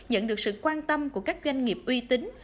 nhận được sự quan tâm của các doanh nghiệp uy tín